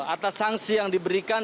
atas sanksi yang diberikan